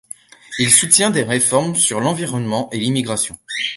Il soutient des réformes sur l'environnement et l'immigration.